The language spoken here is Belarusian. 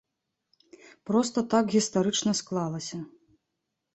Проста так гістарычна склалася.